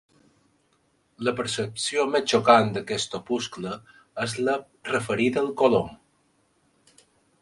La percepció més xocant d'aquest opuscle és la referida al colom.